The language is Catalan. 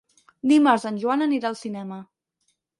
Dimarts en Joan anirà al cinema.